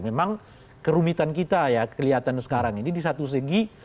memang kerumitan kita ya kelihatan sekarang ini di satu segi